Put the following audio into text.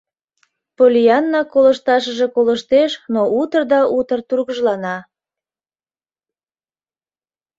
Поллианна колышташыже колыштеш, но утыр да утыр тургыжлана.